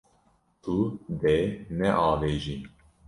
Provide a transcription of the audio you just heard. Tu dê neavêjî.